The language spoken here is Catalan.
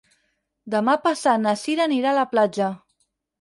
Demà passat na Sira anirà a la platja.